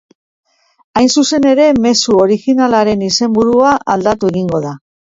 Hain zuzen ere, mezu originalaren izenburua aldatu egingo da.